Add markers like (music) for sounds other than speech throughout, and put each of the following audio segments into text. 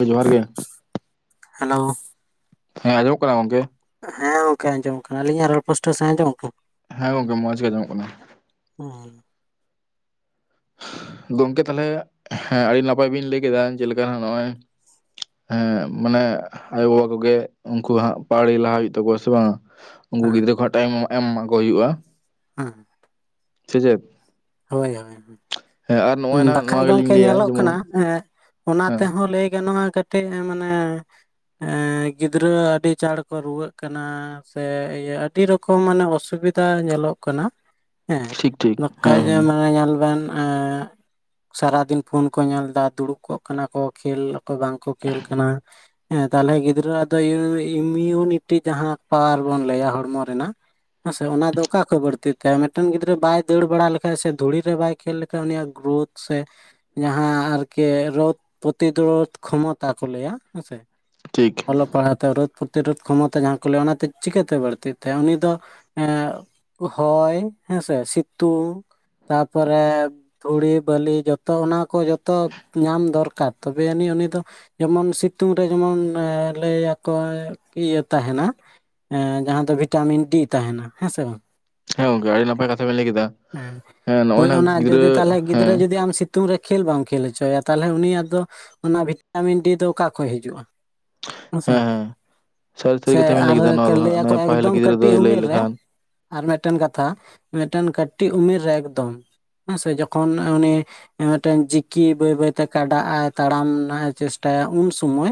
ᱡᱚᱦᱟᱨ ᱜᱮ ᱦᱮᱞᱳ ᱦᱮᱸ ᱟᱸᱡᱚᱢᱚᱜ ᱠᱟᱱᱟ ᱜᱚᱝᱠᱮ ᱦᱮᱸ ᱜᱚᱝᱠᱮ ᱟᱸᱡᱚᱢ ᱠᱟᱱᱟ ᱟᱹᱞᱤᱧᱟᱜ ᱨᱚᱲ ᱯᱳᱥᱴᱟᱣ ᱥᱟᱺᱦᱤᱡ ᱟᱸᱡᱚᱢᱚᱜ ᱠᱟᱱᱟ ᱦᱮᱸ ᱜᱚᱝᱠᱮ ᱢᱚᱸᱡᱽ ᱜᱮ ᱟᱸᱡᱚᱢᱚᱜ ᱠᱟᱱᱟ ᱦᱩᱸ ᱜᱚᱝᱠᱮ ᱛᱟᱦᱚᱞᱮ ᱦᱮᱸ ᱟᱹᱰᱤ ᱱᱟᱯᱟᱭ ᱵᱤᱱ ᱞᱟᱹᱭ ᱠᱮᱫᱟ ᱡᱮᱞᱮᱠᱟ ᱱᱚᱜᱼᱚᱭ ᱦᱮᱸ ᱢᱟᱱᱮ ᱟᱭᱳᱼᱵᱟᱵᱟ ᱠᱚᱜᱮ ᱩᱱᱠᱩ ᱦᱟᱸᱜ ᱯᱟᱣᱲᱤ ᱞᱟᱦᱟ ᱦᱩᱭᱩᱜ ᱛᱟᱠᱚᱣᱟ ᱥᱮ ᱵᱟᱝ ᱩᱱᱠᱩ ᱦᱮᱸ ᱜᱤᱫᱽᱨᱟᱹ ᱠᱚᱣᱟ ᱴᱟᱭᱤᱢ ᱮᱢ ᱮᱢᱟ ᱠᱚ ᱦᱩᱭᱩᱜᱼᱟ ᱦᱮᱸ ᱥᱮ ᱪᱮᱫ ᱦᱳᱭ ᱦᱳᱭ ᱦᱮᱸ ᱟᱨ ᱱᱚᱜᱼᱚᱭ ᱱᱟᱜ ᱵᱟᱠᱷᱟᱡ ᱱᱚᱣᱟ ᱜᱮᱞᱤᱧ ᱜᱚᱝᱠᱮ ᱞᱟᱹᱭᱟ ᱧᱮᱞᱚᱜ ᱡᱮᱢᱚᱱ ᱠᱟᱱᱟ ᱮ ᱚᱱᱟ ᱦᱮᱸ ᱛᱮᱦᱚᱸ ᱞᱟᱹᱭ ᱜᱟᱱᱚᱜᱼᱟ ᱠᱟᱹᱴᱤᱡ ᱢᱟᱱᱮ ᱮ ᱜᱤᱫᱽᱨᱟᱹ ᱟᱹᱰᱤ ᱪᱟᱬ ᱠᱚ ᱨᱩᱣᱟᱹᱜ ᱠᱟᱱᱟ ᱥᱮ ᱤᱭᱟᱹ ᱟᱹᱰᱤ ᱨᱚᱠᱚᱢ ᱢᱟᱱᱮ ᱚᱥᱩᱵᱤᱫᱷᱟ ᱧᱮᱞᱚᱜ ᱠᱟᱱᱟ ᱦᱮᱸ ᱴᱷᱤᱠ ᱴᱷᱤᱠ ᱦᱮᱸ ᱵᱟᱠᱷᱟᱡ ᱦᱮᱸ ᱢᱟᱱᱮ ᱧᱮᱞ ᱵᱮᱱ ᱥᱟᱨᱟᱫᱤᱱ ᱯᱷᱳᱱ ᱠᱚ ᱧᱮᱞ ᱫᱟ ᱫᱩᱲᱩᱵ ᱠᱚᱜ ᱠᱟᱱᱟ ᱠᱚ ᱠᱷᱮᱞ ᱠᱚ ᱵᱟᱝᱠᱚ ᱠᱷᱮᱞ ᱠᱟᱱᱟ ᱦᱮᱸ ᱛᱟᱦᱚᱞᱮ ᱜᱤᱫᱽᱨᱟᱹ ᱟᱜ ᱫᱚ ᱤᱢᱤᱭᱩᱱᱤᱴᱤ ᱡᱟᱦᱟᱸ ᱯᱟᱣᱟᱨ ᱵᱚᱱ ᱞᱟᱹᱭᱟ ᱦᱚᱲᱢᱚ ᱨᱮᱱᱟᱜ ᱦᱮᱸ ᱥᱮ ᱚᱱᱟ ᱫᱚ ᱚᱠᱟ ᱠᱷᱚᱡ ᱵᱟᱹᱲᱛᱤ ᱛᱟᱭᱟ ᱢᱤᱫᱴᱮᱱ ᱜᱤᱫᱽᱨᱟᱹ ᱵᱟᱭ ᱫᱟᱹᱲ ᱵᱟᱲᱟ ᱞᱮᱠᱷᱟᱡ ᱥᱮ ᱫᱷᱩᱲᱤ ᱨᱮ ᱵᱟᱭ ᱠᱷᱮᱞ ᱞᱮᱠᱷᱟᱡ ᱩᱱᱤᱭᱟᱜ ᱜᱨᱳᱛᱷ ᱥᱮ ᱡᱟᱦᱟᱸ ᱟᱨᱠᱤ ᱨᱳᱫᱷ ᱯᱨᱚᱛᱤᱨᱳᱫᱷ ᱠᱷᱚᱢᱚᱛᱟ ᱠᱚ ᱞᱟᱹᱭᱟ ᱦᱮᱸᱥᱮ ᱴᱷᱤᱠ ᱚᱞᱚᱜ ᱯᱟᱲᱦᱟᱣ ᱛᱮ ᱨᱳᱫᱷ ᱯᱨᱚᱛᱤᱨᱳᱫᱷ ᱠᱷᱚᱢᱚᱛᱟ ᱡᱟᱦᱟᱸ ᱠᱚ ᱞᱟᱹᱭᱟ ᱚᱱᱟᱛᱮ ᱪᱤᱠᱟᱹᱛᱮ ᱵᱟᱹᱲᱛᱤᱜ ᱛᱟᱭᱟ ᱩᱱᱤ ᱫᱚ ᱦᱚᱭ ᱦᱮᱸᱥᱮ ᱥᱤᱛᱩᱝ ᱛᱟᱯᱚᱨᱮ ᱫᱷᱩᱲᱤ ᱵᱟᱹᱞᱤ ᱡᱚᱛᱚ ᱚᱱᱟ ᱠᱚ ᱡᱚᱛᱚ ᱧᱟᱢ ᱫᱚᱨᱠᱟᱨ ᱛᱚᱵᱮ ᱟᱹᱱᱤᱡ ᱩᱱᱤ ᱫᱚ ᱡᱮᱢᱚᱱ ᱥᱤᱛᱩᱝ ᱨᱮ ᱡᱮᱢᱚᱱ ᱞᱟᱹᱭᱟᱠᱚ ᱤᱭᱟᱹ ᱛᱟᱦᱮᱱᱟ ᱮ ᱡᱟᱦᱟᱸ ᱫᱚ ᱵᱷᱤᱴᱟᱢᱤᱱ ᱰᱤ ᱛᱟᱦᱮᱱᱟ ᱦᱮᱸ ᱥᱮ ᱵᱟᱝ ᱦᱮᱸ ᱜᱚᱝᱠᱮ ᱟᱹᱰᱤ ᱱᱟᱯᱟᱭ ᱠᱟᱛᱷᱟ ᱵᱮᱱ ᱞᱟᱹᱭ ᱠᱮᱫᱟ ᱦᱮᱸ ᱱᱚᱜᱼᱚᱭ ᱦᱳᱭ ᱱᱟᱜ ᱚᱱᱟ ᱜᱤᱫᱽᱨᱟᱹ ᱡᱩᱫᱤ ᱛᱟᱦᱚᱞᱮ ᱦᱮᱸ ᱜᱤᱫᱽᱨᱟᱹ ᱡᱩᱫᱤ ᱟᱢ ᱥᱤ ᱥᱤᱛᱩᱝ ᱨᱮ ᱠᱷᱮᱞ ᱵᱟᱢ ᱠᱷᱮᱞ ᱦᱚᱪᱚ ᱟᱭᱟ ᱛᱟᱦᱚᱞᱮ ᱩᱱᱤᱭᱟᱜ ᱫᱚ ᱚᱱᱟ ᱵᱷᱤᱴᱟᱢᱤᱱ ᱰᱤ ᱫᱚ ᱚᱠᱟ ᱠᱷᱚᱡ ᱦᱤᱡᱩᱜᱼᱟ ᱦᱮᱸᱥᱮ ᱦᱮᱸ ᱥᱟᱹᱨᱤ ᱥᱟᱹᱨᱤ ᱥᱮ ᱠᱟᱛᱷᱟ ᱵᱮᱱ ᱞᱟᱹᱭ ᱟᱨ ᱠᱮᱫᱟ ᱱᱚᱣᱟ ᱫᱚ ᱞᱟᱹᱭᱟᱠᱚ ᱦᱟᱜ ᱯᱟᱹᱦᱤᱞ ᱮᱠᱫᱚᱢ ᱜᱤᱫᱽᱨᱟᱹ ᱠᱟᱹᱴᱤᱡ ᱫᱚᱭ ᱞᱟᱹᱭ ᱩᱢᱮᱨ ᱨᱮ ᱞᱮᱠᱷᱟᱱ ᱟᱨ ᱢᱤᱫᱴᱮᱱ ᱠᱟᱛᱷᱟ ᱢᱤᱫᱴᱮᱱ ᱠᱟᱹᱴᱤᱡ ᱩᱢᱮᱨ ᱨᱮ ᱮᱠᱫᱚᱢ ᱦᱮᱸᱥᱮ ᱡᱚᱠᱷᱚᱱ ᱩᱱᱤ ᱢᱤᱫᱴᱮᱱ ᱡᱤᱠᱤ ᱵᱟᱹᱭ ᱵᱟᱹᱭᱛᱮ ᱠᱟᱰᱟ ᱟᱭ ᱛᱟᱲᱟᱢ ᱨᱮᱱᱟᱜ ᱮ ᱪᱮᱥᱴᱟᱭᱟ ᱩᱱ ᱥᱚᱢᱚᱭ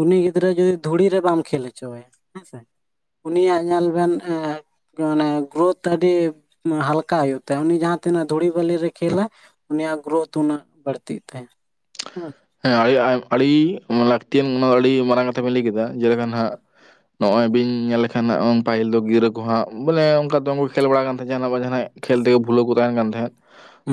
ᱩᱱᱤ ᱜᱤᱫᱽᱨᱟᱹ ᱡᱩᱫᱤ ᱫᱷᱩᱲᱤ ᱨᱮ ᱵᱟᱢ ᱠᱷᱮᱞ ᱦᱚᱪᱚ ᱟᱭᱟ ᱦᱮᱸ ᱥᱮ ᱩᱱᱤᱭᱟᱜ ᱧᱮᱞ ᱵᱮᱱ ᱮ ᱢᱟᱱᱮ ᱜᱨᱳᱛᱷ ᱟᱹᱰᱤ ᱦᱟᱞᱠᱟ ᱦᱩᱭᱩᱜ ᱛᱟᱭᱟ ᱩᱱᱤ ᱡᱟᱦᱟᱸ ᱛᱤᱱᱟᱹᱜ ᱫᱷᱩᱲᱤ ᱵᱟᱹᱞᱤᱨᱮ ᱠᱷᱮᱞᱟ ᱩᱱᱤᱭᱟᱜ ᱜᱨᱳᱛᱷ ᱩᱱᱟᱹᱜ ᱵᱟᱹᱲᱛᱤᱜ ᱛᱟᱭᱟ ᱦᱩᱸ ᱦᱮᱸ ᱟᱹᱰᱤ ᱟᱹᱰᱤ ᱞᱟᱹᱠᱛᱤᱭᱟᱱ ᱚᱱᱟ ᱟᱹᱰᱤ ᱢᱟᱨᱟᱝ ᱠᱟᱛᱷᱟ ᱵᱮᱱ ᱞᱟᱹᱭ ᱠᱮᱫᱟ ᱡᱮᱞᱮᱠᱟ ᱦᱟᱸᱜ ᱱᱚᱜᱼᱚᱭ ᱵᱤᱱ ᱧᱮᱞ ᱞᱮᱠᱷᱟᱱ ᱦᱟᱸᱜ ᱯᱟᱹᱦᱤᱞ ᱫᱚ ᱜᱤᱫᱽᱟᱹ ᱠᱩ ᱦᱟᱸᱜ ᱵᱚᱞᱮ ᱚᱱᱠᱟ ᱫᱚᱢᱚ ᱠᱷᱮᱞ ᱵᱟᱲᱟ ᱠᱟᱱ ᱛᱟᱦᱮᱸ ᱡᱟᱦᱱᱟᱜ ᱵᱟᱝ ᱡᱟᱦᱱᱟᱜ ᱠᱷᱮᱞ ᱛᱮᱜᱮ ᱵᱷᱩᱞᱟᱹ ᱠᱚ ᱛᱟᱦᱮᱱ ᱠᱟᱱ ᱛᱟᱦᱮᱸᱫ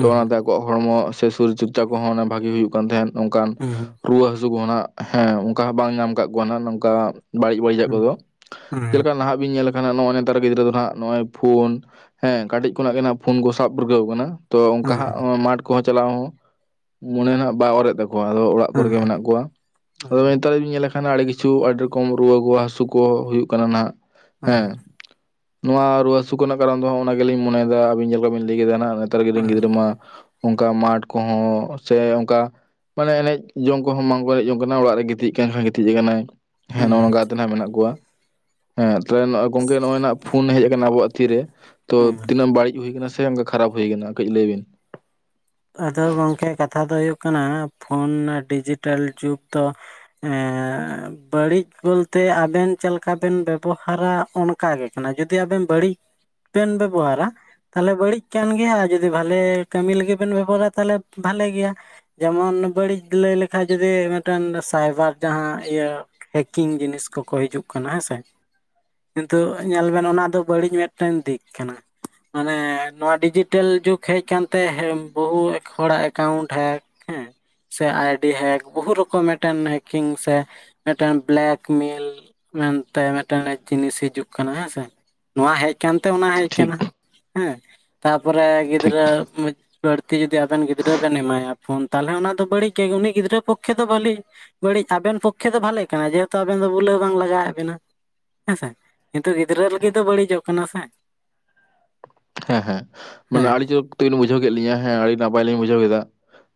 ᱛᱚ ᱚᱱᱟᱛᱮ ᱟᱠᱚᱣᱟᱜ ᱦᱚᱲᱢᱚ ᱥᱮ ᱥᱚᱨᱤᱨ ᱪᱚᱨᱪᱟ ᱠᱚᱦᱚᱸ ᱵᱷᱟᱜᱮ ᱦᱩᱭᱩᱜ ᱠᱟᱱ ᱛᱟᱦᱮᱸᱫ ᱚᱝᱠᱟᱱ ᱦᱩᱸ ᱨᱩᱣᱟᱹ ᱦᱟᱹᱥᱩ ᱠᱚᱸ ᱱᱟᱜ ᱦᱮᱸ ᱚᱱᱠᱟ ᱦᱚᱸ ᱵᱟᱝ ᱧᱟᱢ ᱠᱟᱜ ᱠᱚᱣᱟ ᱱᱟᱜ ᱱᱚᱝᱠᱟ ᱵᱟᱹᱲᱤᱡ ᱵᱟᱹᱲᱤᱡᱟᱜ ᱠᱚᱫᱚ ᱦᱩᱸ ᱪᱮᱫ ᱦᱩᱸ ᱞᱮᱠᱟ ᱱᱟᱦᱟᱸᱜ ᱵᱤᱱ ᱧᱮᱞ ᱱᱚᱜᱼᱚᱭ ᱱᱮᱛᱟᱨ ᱜᱤᱫᱽᱨᱟᱹ ᱫᱚ ᱦᱟᱸᱜ ᱱᱚᱜᱼᱚᱭ ᱯᱷᱳᱱ ᱦᱮᱸ ᱠᱟᱹᱴᱤᱡ ᱠᱷᱚᱱᱟᱜ ᱜᱮ ᱱᱟᱜ ᱯᱷᱳᱱ ᱠᱚ ᱥᱟᱵ ᱯᱟᱹᱨᱠᱟᱹᱣ ᱠᱟᱱᱟ, ᱛᱚ ᱚᱝᱠᱟ ᱦᱩᱸ ᱦᱟᱸᱜ ᱢᱟᱴᱷ ᱠᱚᱦᱚᱸ ᱪᱟᱞᱟᱣ ᱦᱚᱸ ᱢᱚᱱᱮ ᱱᱟᱜ ᱵᱟᱭ ᱚᱨᱮᱫ ᱛᱟ ᱠᱚᱣᱟ ᱟᱫᱚ ᱚᱲᱟᱜ ᱦᱩᱸ ᱠᱚᱨᱮᱜ ᱜᱮ ᱢᱮᱱᱟᱜ ᱠᱚᱣᱟ ᱟᱫᱚ ᱱᱮᱛᱟᱨ ᱡᱩᱫᱤ ᱵᱮᱱ ᱧᱮᱞ ᱠᱷᱟᱱ ᱟᱹᱰᱤ ᱠᱤᱪᱷᱩ ᱟᱹᱰᱤ ᱨᱚᱠᱚᱢ ᱨᱩᱣᱟᱹ ᱠᱚ ᱦᱟᱹᱥᱩ ᱠᱚ ᱦᱩᱭᱩᱜ ᱠᱟᱱᱟ ᱱᱟᱦᱟᱸᱜ ᱦᱮᱸ, ᱱᱚᱣᱟ ᱨᱩᱣᱟᱹ ᱦᱟᱹᱥᱩ ᱠᱚᱨᱮᱱᱟᱜ ᱠᱟᱨᱚᱱ ᱫᱚ ᱱᱚᱜᱼᱱᱟ ᱜᱮᱞᱤᱧ ᱢᱚᱱᱮᱭ ᱫᱟ ᱟᱵᱤᱱ ᱡᱮᱞᱮᱠᱟ ᱵᱤᱱ ᱞᱟᱹᱭ ᱠᱮᱫᱟ ᱱᱟᱜ ᱛᱟᱨ ᱨᱮᱱ ᱜᱤᱫᱽᱨᱟᱹ ᱦᱩᱸ ᱢᱟ ᱚᱱᱠᱟ ᱢᱟᱴᱷ ᱠᱚᱦᱚᱸ ᱥᱮ ᱚᱝᱠᱟ ᱢᱟᱱᱮ ᱮᱱᱮᱡ ᱡᱚᱝ ᱠᱚᱦᱚᱸ ᱵᱟᱝ ᱠᱚ ᱮᱱᱮᱡ ᱡᱚᱝ ᱠᱟᱱᱟ ᱚᱲᱟᱜ ᱨᱮ ᱜᱤᱛᱤᱡ ᱠᱟᱱ ᱠᱷᱟᱡ ᱜᱤᱛᱤᱡ ᱠᱟᱱᱟᱭ, ᱦᱮᱸ ᱦᱩᱸ ᱦᱩᱸ ᱱᱚᱸᱜᱼᱱᱚᱝᱠᱟᱛᱮ ᱦᱟᱸᱜ ᱢᱮᱱᱟᱜ ᱠᱚᱣᱟ᱾ ᱦᱮᱸ ᱛᱚᱵᱮ ᱱᱚᱸᱜ-ᱚᱭ ᱜᱚᱝᱠᱮ ᱱᱚᱸᱜ-ᱚᱭ ᱯᱷᱳᱱ ᱦᱮᱡ ᱠᱟᱱᱟ ᱟᱵᱚᱣᱟᱜ ᱛᱤᱨᱮ ᱛᱚ ᱦᱩᱸ ᱛᱤᱱᱟᱹᱜ ᱵᱟᱹᱲᱤᱡ ᱦᱩᱭ ᱠᱟᱱᱟ ᱥᱮ ᱚᱱᱠᱟ ᱠᱷᱟᱨᱟᱯ ᱦᱩᱭ ᱠᱟᱱᱟ ᱠᱟᱹᱡ ᱞᱟᱹᱭ ᱵᱤᱱ᱾ ᱟᱫᱚ ᱜᱚᱝᱠᱮ ᱠᱟᱛᱷᱟ ᱫᱚ ᱦᱩᱭᱩᱜ ᱠᱟᱱᱟ ᱯᱷᱳᱱ ᱰᱤᱡᱤᱴᱮᱞ ᱡᱩᱜᱽ ᱫᱚ ᱮᱸ ᱵᱟᱹᱲᱤᱡ ᱵᱚᱞᱛᱮ ᱟᱵᱮᱱ ᱪᱮᱫ ᱞᱮᱠᱟ ᱵᱮᱱ ᱵᱮᱵᱚᱦᱟᱨᱟ ᱚᱱ ᱠᱟ ᱜᱮ ᱠᱟᱱᱟ ᱡᱩᱫᱤ ᱟᱵᱮᱱ ᱵᱟᱹᱲᱤᱡ ᱵᱮᱱ ᱵᱮᱵᱚᱦᱟᱨᱟ ᱛᱟᱦᱚᱞᱮ ᱵᱟᱹᱲᱤᱡ ᱠᱟᱱ ᱜᱮᱭᱟ ᱟᱨ ᱡᱩᱫᱤ ᱵᱷᱟᱞᱮ ᱠᱟᱹᱢᱤ ᱞᱟᱹᱜᱤᱫ ᱵᱮᱱ ᱵᱮᱵᱚᱦᱟᱨᱟ ᱛᱟᱦᱚᱞᱮ ᱵᱷᱟᱞᱮ ᱜᱮᱭᱟ᱾ ᱡᱮᱢᱚᱱ ᱵᱟᱹᱲᱤᱡ ᱞᱟᱹᱭ ᱞᱮᱠᱷᱟ ᱡᱩᱫᱤ ᱢᱤᱫᱴᱮᱱ ᱥᱟᱭᱵᱟᱨ ᱡᱟᱦᱟᱸ ᱤᱭᱟᱹ ᱦᱮᱠᱤᱝ ᱡᱤᱱᱤᱥ ᱠᱚᱠᱚ ᱦᱤᱡᱩᱜ ᱠᱟᱱᱟ ᱦᱮᱸᱥᱮ, ᱠᱤᱱᱛᱩ ᱧᱮᱞ ᱵᱮᱱ ᱚᱱᱟ ᱫᱚ ᱵᱟᱹᱲᱤᱡ ᱢᱤᱫᱴᱮᱱ ᱫᱤᱠ ᱠᱟᱱᱟ, ᱢᱟᱱᱮ ᱱᱚᱣᱟ ᱰᱤᱡᱤᱴᱮᱞ ᱡᱩᱜᱽ ᱦᱮᱡ ᱠᱟᱱ ᱛᱮ ᱦᱮ ᱵᱚᱦᱩ ᱦᱚᱲᱟᱜ ᱮᱠᱟᱣᱩᱱᱴ ᱦᱮᱠ ᱦᱮᱸ, ᱥᱮ ᱟᱭᱰᱤ ᱦᱮᱠ ᱵᱚᱦᱩ ᱨᱚᱠᱚᱢ ᱢᱤᱫᱴᱮᱱ ᱦᱮᱠᱤᱝ ᱥᱮ ᱢᱤᱫᱴᱮᱱ ᱵᱞᱮᱠᱢᱮᱞ ᱢᱮᱱᱛᱮ ᱢᱤᱫᱴᱮᱱ ᱡᱤᱱᱤᱥ ᱦᱤᱡᱩᱜ ᱠᱟᱱᱟ ᱦᱮᱸᱥᱮ, ᱱᱚᱣᱟ ᱦᱮᱡ ᱠᱟᱱᱛᱮ ᱚᱱᱟ ᱦᱮᱡ ᱟᱠᱟᱱᱟ ᱴᱷᱤᱠ ᱦᱮᱸ ᱛᱟᱯᱚᱨᱮ ᱴᱷᱤᱠ ᱜᱤᱫᱽᱨᱟᱹ ᱵᱟᱹᱲᱛᱤ ᱡᱩᱫᱤ ᱟᱵᱮᱱ ᱜᱤᱫᱽᱨᱟᱹ ᱵᱮᱱ ᱮᱢᱟᱭᱟ ᱯᱷᱳᱱ ᱛᱟᱦᱚᱞᱮ ᱚᱱᱟ ᱫᱚ ᱵᱟᱹᱲᱤᱡ ᱜᱮ ᱩᱱᱤ ᱜᱤᱫᱽᱨᱟᱹ ᱯᱚᱠᱠᱷᱮ ᱫᱚ ᱵᱟᱹᱞᱤ ᱵᱟᱹᱲᱤᱡ ᱟᱵᱮᱱ ᱯᱚᱠᱷᱮ ᱫᱚ ᱵᱷᱟᱞᱮ ᱠᱟᱱᱟ ᱡᱮᱦᱮᱛᱩ ᱟᱵᱮᱱ ᱫᱚ ᱵᱩᱞᱟᱹᱣ ᱵᱟᱝ ᱞᱟᱜᱟᱣᱮᱫ ᱵᱮᱱᱟ, ᱦᱮᱸᱥᱮ ᱠᱤᱱᱛᱩ ᱜᱤᱫᱽᱨᱟᱹ ᱞᱟᱹᱜᱤᱫ ᱫᱚ ᱵᱟᱹᱲᱤᱡᱚᱜ ᱠᱟᱱᱟ ᱥᱮ᱾ ᱦᱮᱸ ᱦᱮᱸ ᱢᱟᱱᱮ ᱦᱮᱸ ᱟᱲᱤ ᱡᱳᱨ ᱛᱚᱵᱤᱱ ᱵᱩᱡᱷᱟᱹᱣ ᱠᱮᱫ ᱞᱤᱧᱟᱹ ᱦᱮᱸ ᱟᱹᱰᱤ ᱱᱟᱯᱟᱭᱤᱧ ᱵᱩᱡᱷᱟᱹᱣ ᱠᱮᱫᱟ,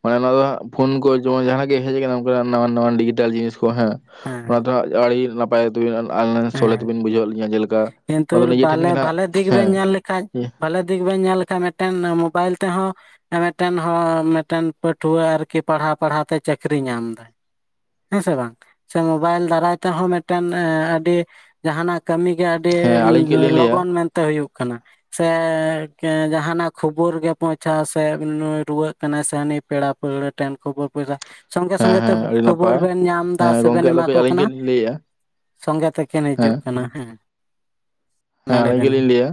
ᱢᱟᱱᱮ ᱱᱚᱣᱟ ᱫᱚ ᱦᱟᱸᱜ ᱯᱷᱚᱱ ᱠᱚ ᱡᱮᱢᱚᱱ ᱡᱟᱦᱟᱸᱱᱟᱜ ᱜᱮ ᱦᱮᱡ ᱠᱟᱱᱟ ᱚᱱᱠᱟᱱᱟᱜ ᱱᱟᱣᱟᱱ ᱱᱟᱱᱣᱟᱱ ᱰᱤᱡᱤᱴᱟᱞ ᱡᱤᱱᱤᱥ ᱠᱚ ᱦᱮᱸ ᱦᱮᱸ ᱚᱱᱟ ᱫᱚ ᱟᱹᱰᱤ ᱱᱟ ᱱᱟᱯᱟᱭ ᱛᱮᱵᱤᱱ ᱟᱞᱟᱭᱤᱱ ᱥᱚᱞᱦᱮ ᱦᱮᱸ ᱛᱮᱵᱤᱱ ᱵᱩᱡᱷᱟᱹᱣᱮᱫ ᱞᱤᱧᱟᱹ ᱡᱮᱞᱮᱠᱟ ᱠᱤᱱᱛᱩ ᱟᱫᱚ ᱱᱤᱡᱮ ᱴᱷᱮᱱ ᱵᱟᱞᱮ ᱜᱮ ᱱᱟᱦᱟᱸᱜ ᱵᱷᱟᱞᱮ ᱫᱤᱠ ᱵᱮᱱ ᱦᱮᱸ ᱧᱮᱞ ᱞᱮᱠᱷᱟᱡ ᱵᱷᱟᱞᱮ ᱫᱤᱠ ᱵᱟᱹᱧ ᱧᱮᱞ ᱞᱮᱠᱷᱟᱱ ᱢᱤᱫᱴᱮᱱ ᱢᱳᱵᱟᱭᱤᱞ ᱛᱮᱦᱚᱸ ᱢᱤᱫᱴᱮᱱ ᱦᱚᱲ ᱢᱤᱫᱴᱮᱱ ᱯᱟᱹᱴᱷᱩᱣᱟᱹ ᱟᱨᱠᱤ ᱯᱟᱲᱦᱟᱣ ᱯᱟᱲᱦᱟᱣ ᱛᱮ ᱪᱟᱹᱠᱨᱤᱤᱭ ᱧᱟᱢᱫᱟᱭ᱾ ᱦᱮᱸ ᱥᱮ ᱵᱟᱝ ᱥᱮ ᱢᱳᱚᱵᱟᱭᱤᱞ ᱫᱟᱨᱟᱭ ᱛᱮᱦᱚᱸ ᱢᱤᱫᱴᱮᱱ ᱟᱹᱰᱤ ᱡᱟᱦᱟᱱᱟᱸᱜ ᱠᱟᱹᱢᱤᱜᱮ ᱟᱹᱰᱤ ᱦᱮᱸ ᱟᱹᱞᱤᱧ ᱠᱟᱹᱡ ᱞᱤᱧ ᱞᱟᱹᱭᱟ ᱞᱚᱜᱚᱱ ᱢᱮᱱᱛᱮ ᱦᱩᱭᱩᱜ ᱠᱟᱱᱟ᱾ ᱥᱮ ᱡᱟᱦᱟᱱᱟᱸᱜ ᱠᱷᱚᱵᱚᱨ ᱜᱮ ᱯᱳᱣᱪᱷᱟᱣ ᱥᱮ ᱱᱩᱭ ᱨᱩᱣᱟᱹᱜ ᱠᱟᱱᱟ ᱥᱮ ᱦᱟᱹᱱᱤ ᱯᱮᱲᱟ ᱯᱟᱹᱲᱟ ᱴᱷᱮᱱ ᱠᱷᱚᱵᱚᱨ ᱯᱚᱭᱥᱟ ᱥᱚᱸᱜᱮ ᱦᱮᱸ ᱥᱚᱸᱜᱮ ᱛᱮ ᱦᱮᱸ ᱟᱹᱰᱤ ᱠᱷᱚᱵᱚᱨ ᱱᱟᱯᱟᱭ ᱵᱮᱱ ᱧᱟᱢ ᱦᱮᱸ ᱫᱟ ᱜᱚᱝᱠᱮ ᱥᱮᱵᱮᱱ ᱟᱫᱚ ᱮᱢᱟ ᱠᱟᱹᱡ ᱠᱚ ᱟᱹᱞᱤᱧ ᱠᱟᱹᱡ ᱠᱟᱱᱟ ᱞᱤᱧ ᱞᱟᱹᱭᱮᱜᱼᱟ ᱥᱚᱸᱜᱮ ᱛᱮ ᱠᱤᱱ ᱦᱮᱸ ᱦᱤᱡᱩᱜ ᱠᱟᱱᱟ ᱦᱮᱸ᱾ ᱦᱮᱸ ᱢᱟ ᱞᱟᱹᱭ ᱟᱹᱞᱤᱧ ᱵᱮᱱ ᱜᱮᱞᱤᱧ ᱦᱩᱸ ᱞᱟᱹᱭᱟ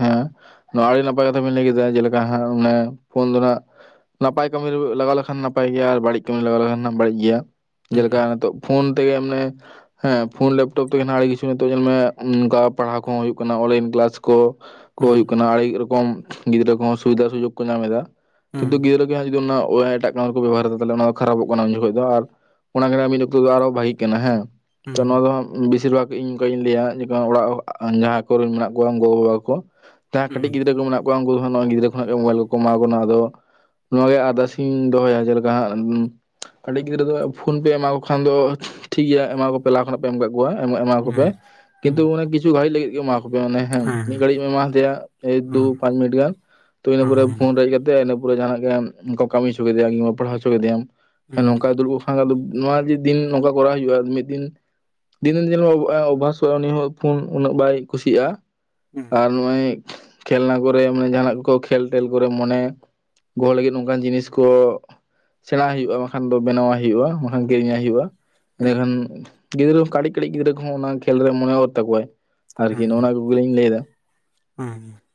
ᱦᱮᱸ ᱱᱚᱣᱟ ᱟᱹᱰᱤ ᱱᱟᱯᱟᱭ ᱠᱟᱛᱷᱟ ᱵᱮᱤᱱ ᱞᱟᱹᱭ ᱠᱮᱫᱟ ᱡᱮᱞᱮᱠᱟ ᱦᱟᱸᱜ ᱚᱱᱮ ᱯᱷᱳᱱ ᱫᱚ ᱱᱟᱸᱜ ᱱᱟᱯᱟᱭ ᱠᱟᱹᱢᱤ ᱞᱟᱜᱟᱣ ᱞᱮᱠᱷᱟᱱ ᱱᱟᱯᱟᱭ ᱜᱮᱭᱟ ᱟᱨ ᱵᱟᱹᱲᱤᱡ ᱠᱟᱹᱢᱤ ᱞᱟᱜᱟᱣ ᱞᱮᱠᱷᱟᱱ ᱵᱟᱹᱲᱤᱡ ᱜᱮᱭᱟ᱾ ᱡᱮᱞᱮᱠᱟ ᱱᱤᱛᱚᱜ ᱯᱷᱳᱱ ᱛᱮᱜᱮ ᱢᱟᱱᱮ ᱦᱮᱸ ᱯᱷᱳᱱ ᱞᱮᱯᱴᱚᱯ ᱛᱮᱜᱮ ᱱᱟᱦᱟᱸᱜ ᱟᱹᱰᱤ ᱠᱤᱪᱷᱩ ᱱᱤᱛᱚᱜ ᱧᱮᱞᱢᱮ ᱚᱱᱠᱟ ᱯᱟᱲᱦᱟᱣ ᱠᱚᱦᱚᱸ ᱦᱩᱭᱩᱜ ᱠᱟᱱᱟ ᱚᱱᱞᱟᱭᱤᱱ ᱠᱮᱞᱟᱥ ᱠᱚ, ᱠᱚ ᱦᱩᱸ ᱦᱩᱭᱩᱜ ᱠᱟᱱᱟ ᱟᱹᱰᱤ ᱨᱚᱠᱚᱢ ᱜᱤᱫᱽᱨᱟᱹ ᱠᱚᱦᱚᱸ ᱥᱩᱵᱤᱫᱟ ᱥᱩᱡᱳᱜᱽ ᱠᱚ ᱧᱟᱢᱮᱫᱟ ᱾ ᱦᱩᱸ ᱠᱤᱱᱛᱩ ᱜᱤᱫᱽᱨᱟᱹ ᱜᱮ ᱦᱟᱸᱜ ᱡᱚᱫᱤ ᱚᱱᱟ (unintelligible) ᱴᱟᱜ ᱚᱱᱟ ᱠᱚ ᱠᱚ ᱵᱮᱵᱚᱦᱟᱨ ᱮᱫᱟ ᱛᱟᱦᱚᱞᱮ ᱚᱱᱟ ᱫᱚ ᱠᱷᱟᱨᱟᱯᱚᱜ ᱠᱟᱱᱟ ᱩᱱ ᱡᱚᱠᱷᱚᱱ ᱫᱚ ᱟᱨ (inaudible) ᱚᱱᱟ ᱜᱮ ᱱᱟᱜ ᱢᱤᱫ ᱚᱠᱛᱚ ᱫᱚ ᱟᱨᱚ ᱵᱷᱟᱜᱤᱜ ᱠᱟᱱᱟ ᱦᱮᱸ ᱾ ᱛᱚ ᱦᱩᱸ ᱱᱚᱣᱟ ᱫᱚ ᱦᱟᱜ ᱵᱮᱥᱤᱨ ᱵᱷᱟᱜᱽ ᱤᱧ ᱚᱱᱠᱟ ᱤᱧ ᱞᱟᱹᱭᱟ (unintelligible) ᱚᱲᱟᱜ ᱚᱲᱟᱜ ᱡᱟᱦᱟᱸᱭ ᱠᱚᱨᱮᱱ ᱢᱮᱱᱟᱜ ᱠᱚᱣᱟ ᱜᱚ-ᱵᱟᱵᱟ ᱠᱚ ᱾ ᱡᱟᱦᱟᱸᱭ ᱠᱟᱹᱴᱤᱡ ᱦᱩᱸ ᱜᱤᱫᱽᱨᱟᱹ ᱠᱚ ᱢᱮᱱᱟᱜ ᱠᱚᱣᱟ ᱩᱱᱠᱩ ᱫᱚ ᱦᱟᱜ ᱱᱚᱜ-ᱚᱭ ᱜᱤᱫᱽᱨᱟᱹ ᱠᱷᱚᱱᱟᱜ ᱜᱮ ᱢᱳᱵᱟᱭᱤᱞ ᱠᱚ ᱠᱚ ᱮᱢᱟ ᱠᱚ ᱠᱟᱱᱟ ᱾ ᱟᱫᱚ ᱱᱚᱣᱟ ᱨᱮᱱᱟᱜ ᱟᱨᱫᱟᱥ ᱤᱧ ᱫᱚᱦᱚᱭᱟ, ᱡᱮᱞᱮᱠᱟ ᱦᱟᱸᱜ ᱠᱟᱹᱴᱤᱡ ᱜᱤᱫᱽᱨᱟᱹ ᱫᱚ ᱯᱷᱳᱱ ᱯᱮ ᱮᱢᱟ ᱠᱚ ᱠᱷᱟᱱ ᱫᱚ ᱴᱷᱤᱠ ᱜᱮᱭᱟ ᱮᱢᱟ ᱠᱚᱯᱮ ᱞᱟᱦᱟ ᱠᱷᱚᱱᱟᱜ ᱯᱮ ᱮᱢ ᱠᱟᱜ ᱠᱚᱣᱟ ᱮᱢᱟ ᱮᱢᱟ ᱠᱚᱯᱮ ᱦᱩᱸ ᱾ (inaudible) ᱠᱤᱱᱛᱩ ᱦᱩᱸ ᱚᱱᱮ ᱠᱤᱪᱷᱩ ᱜᱷᱟᱹᱲᱤᱡ ᱞᱟᱹᱜᱤᱫ ᱜᱮ ᱮᱢᱟ ᱠᱚ ᱯᱮ ᱢᱟᱱᱮ ᱦᱮᱸ ᱢᱤᱫ ᱜᱷᱟᱹᱲᱤᱡ ᱮᱢ ᱮᱢᱟ ᱦᱟᱫᱮᱭᱟ ᱮᱭ ᱫᱩ ᱦᱮᱸ ᱯᱟᱸᱪ ᱢᱤᱱᱤᱴ ᱜᱟᱱ (inaudible) ᱛᱚ ᱤᱱᱟᱹ ᱯᱚᱨᱮ ᱯᱷᱳᱱ ᱦᱮᱸ ᱨᱮᱡ ᱠᱟᱛᱮᱜ ᱤᱱᱟᱹ ᱯᱚᱨᱮ ᱡᱟᱦᱟᱱᱟᱜ ᱜᱮ ᱟᱢ ᱚᱱᱠᱟᱢ ᱠᱟᱹᱢᱤ ᱦᱚᱪᱚ ᱠᱮᱫᱮᱭᱟ ᱠᱤᱝᱵᱟ ᱯᱟᱲᱦᱟᱣ ᱦᱚᱪᱚ ᱠᱮᱫᱮᱭᱟᱢ (inaudible) ᱦᱮᱸ ᱱᱚᱝᱠᱟ ᱫᱩᱲᱩᱵ (unintelligible) ᱱᱚᱣᱟ ᱡᱮ ᱫᱤᱱ ᱱᱚᱝᱠᱟ ᱠᱚᱨᱟᱣ ᱦᱩᱭᱩᱜ-ᱟ ᱢᱤᱫ ᱫᱤᱱ ᱫᱤᱱ ᱫᱤᱱ ᱧᱮᱞ ᱢᱮ ᱚᱵᱷᱟᱥᱚᱜ-ᱟ ᱩᱱᱤ ᱦᱚᱸ ᱯᱷᱳᱱ ᱩᱱᱟᱹᱜ ᱵᱟᱭ ᱠᱩᱥᱤᱭᱟᱜ-ᱟ ᱾ ᱟᱨ ᱱᱚᱜ-ᱚᱭ (inaudible) ᱠᱷᱮᱞᱱᱟ ᱠᱚᱨᱮ ᱢᱟᱱᱮ ᱡᱟᱦᱱᱟᱜ ᱠᱚ ᱠᱷᱮᱞ-ᱴᱮᱞ ᱠᱚᱨᱮ ᱢᱚᱱᱮ ᱜᱚᱦᱚᱲ ᱞᱟᱹᱜᱤᱫ ᱱᱚᱝᱠᱟᱱ ᱡᱤᱱᱤᱥ ᱠᱚ (inaudible) ᱥᱮᱬᱟᱣᱟᱭ ᱦᱩᱭᱩᱜ-ᱟ ᱵᱟᱠᱷᱟᱱ ᱫᱚ ᱵᱮᱱᱟᱣᱟᱭ ᱦᱩᱭᱩᱜ-ᱟ ᱾ ᱠᱤᱨᱤᱧᱟᱭ ᱟᱭ ᱦᱩᱭᱩᱜ-ᱟ᱾ (inaudible) ᱦᱮᱸ ᱮᱸᱰᱮᱠᱷᱟᱱ ᱜᱤᱫᱽᱨᱟᱹ ᱠᱟᱹᱴᱤᱡ ᱠᱟᱹᱴᱤᱡ ᱜᱤᱫᱽᱨᱟᱹ ᱠᱚᱦᱚᱸ ᱚᱱᱟ ᱠᱷᱮᱹᱞ ᱨᱮ ᱢᱚᱱᱮ ᱚᱨ ᱛᱟᱠᱚᱣᱟᱭ ᱾ ᱟᱨᱠᱤ ᱱᱚᱜ-ᱱᱟ ᱠᱩᱜᱮ ᱞᱤᱧ ᱞᱟᱹᱭ ᱮᱫᱟ ᱾ (inaudible) ᱦᱩᱸ ᱦᱩᱸ ᱾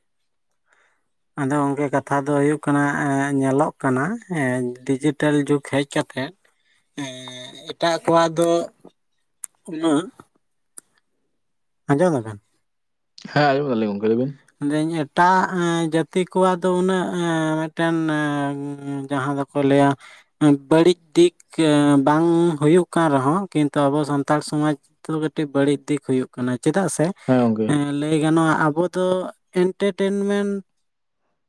ᱟᱫᱚ ᱜᱚᱝᱠᱮ ᱠᱟᱛᱷᱟ ᱫᱚ ᱦᱩᱭᱩᱜ ᱠᱟᱱᱟ ᱮ ᱧᱮᱞᱚᱜ ᱠᱟᱱᱟ ᱦᱮ ᱰᱤᱡᱤᱴᱮᱞ ᱡᱩᱜᱽ ᱦᱮᱡ ᱠᱟᱛᱮᱜ ᱦᱮᱸᱻ ᱮᱴᱟᱜ ᱠᱚᱣᱟᱜ ᱫᱚ (inaudible) ᱩᱱᱟᱹᱜ ᱟᱸᱡᱚᱢ ᱮᱫᱟᱢ? ᱦᱮᱸ ᱟᱸᱡᱚᱢ ᱮᱫᱟᱞᱤᱧ ᱜᱚᱢᱠᱮ ᱞᱟᱹᱭᱵᱤᱱ ᱾ ᱢᱮᱱ ᱮᱫᱟᱹᱧ ᱮᱴᱟᱜ ᱡᱟᱹᱛᱤ ᱠᱚᱣᱟᱜ ᱫᱚ ᱩᱱᱟᱹᱜ ᱮᱻ ᱢᱤᱫᱴᱮᱱ ᱡᱟᱦᱟᱸ ᱫᱚ ᱠᱚ ᱞᱟᱹᱭᱟ ᱵᱟᱹᱲᱤᱡ ᱫᱤᱠ ᱵᱟᱝ ᱦᱩᱭᱩᱜ ᱠᱟᱱ ᱨᱮᱦᱚᱸ ᱠᱤᱱᱛᱩ ᱟᱵᱚ ᱥᱟᱱᱛᱟᱲ ᱥᱚᱢᱟᱡᱽ ᱠᱟᱹᱴᱤᱡ ᱵᱟᱹᱲᱤᱡ ᱫᱤᱠ ᱦᱩᱭᱩᱜ ᱠᱟᱱᱟ ᱪᱮᱫᱟᱜ ᱥᱮ ᱦᱮᱸ ᱜᱚᱝᱠᱮ (inaudible) ᱞᱟᱹᱭ ᱜᱟᱱᱚᱜ-ᱟ ᱟᱵᱚ ᱛᱚ ᱮᱱᱴᱟᱨᱴᱮᱱᱢᱮᱱᱴ